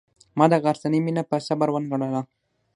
ما د غرڅنۍ مینه په صبر ونغاړله.